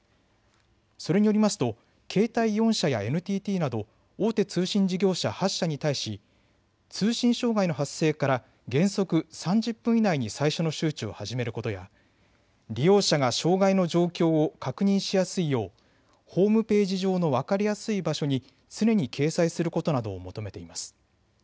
それによりますと携帯４社やＮＴＴなど大手通信事業者８社に対し通信障害の発生から原則３０分以内に最初の周知を始めることや利用者が障害の状況を確認しやすいようホームページ上の分かりやすい場所に常に掲載することなどを求めています。